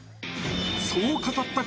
［そう語った］